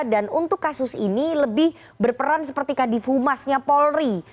dan untuk kasus ini lebih berperan seperti kardifumasnya polri